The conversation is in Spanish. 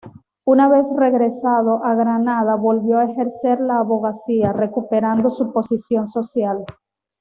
Una vez regresado a Granada, volvió a ejercer la abogacía, recuperando su posición social.